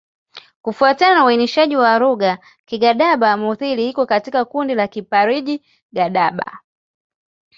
Kufuatana na uainishaji wa lugha, Kigadaba-Mudhili iko katika kundi la Kiparji-Gadaba.